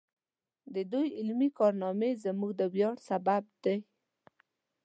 د دوی علمي کارنامې زموږ د ویاړ سبب دی.